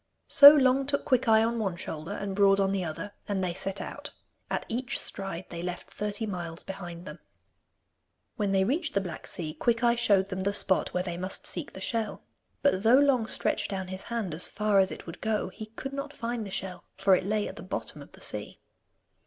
So Long took Quickeye on one shoulder, and Broad on the other, and they set out. At each stride they left thirty miles behind them. When they reached the black sea, Quickeye showed them the spot where they must seek the shell. But though Long stretched down his hand as far as it would go, he could not find the shell, for it lay at the bottom of the sea.